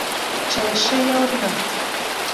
Чи лише я одна?